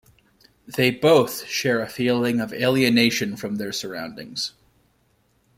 They both share a feeling of alienation from their surroundings.